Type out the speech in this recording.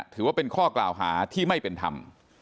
ถือว่าเป็นข้อกล่าวหาที่ไม่เป็นธรรม